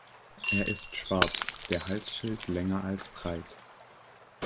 Er ist schwarz, der Halsschild länger als breit.